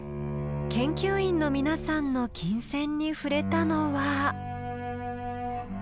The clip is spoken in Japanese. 研究員の皆さんの琴線に触れたのは。